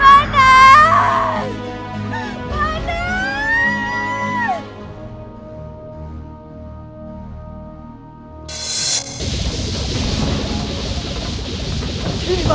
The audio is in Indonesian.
hanya dia bisa mengatasinya